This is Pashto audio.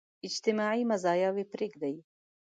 اجتماعي مزاياوې پرېږدي.